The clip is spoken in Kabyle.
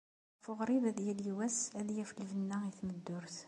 Ɣef uɣrib ad yali wass, ad yaf lbenna i tmeddurt.